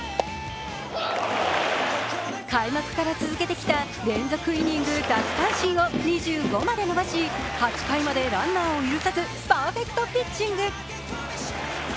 開幕から続けてきた連続イニング奪三振を２５まで伸ばし、８回までランナーを許さずパーフェクトピッチング。